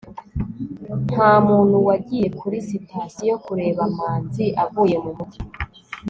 nta muntu wagiye kuri sitasiyo kureba manzi avuye mu mujyi